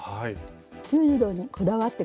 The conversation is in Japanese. ９０度にこだわって下さいね。